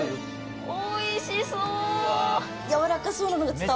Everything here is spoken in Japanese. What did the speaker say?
おいしそう。